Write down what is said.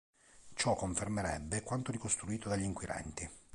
Ciò confermerebbe quanto ricostruito dagli inquirenti.